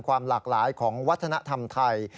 ความหลากหลายของวัฒนธรรมไทย